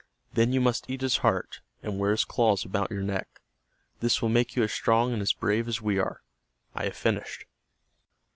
Then you must eat his heart, and wear his claws about your neck. This will make you as strong and as brave as we are. I have finished."